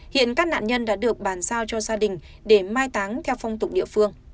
hiện các nạn nhân đã được bàn giao cho gia đình để mai táng theo phong tục địa phương